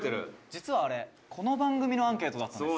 「実はあれこの番組のアンケートだったんです」